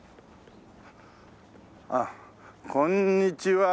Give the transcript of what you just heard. あっこんにちは。